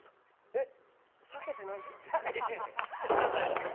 えっ割けてないですか？